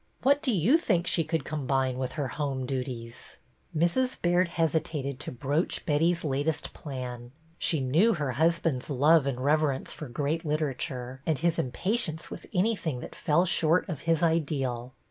What do you think she could combine with her home duties? " 1 6 BETTY BAIRD'S VENTURES Mrs. Baird hesitated to broach Betty's latest plan. She knew her husband's love and rever ence for great literature, and his impatience with anything that fell short of his ideal.